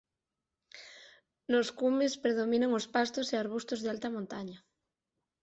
Nos cumes predominan os pastos e arbustos de alta montaña.